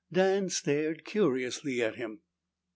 Dan stared curiously at him.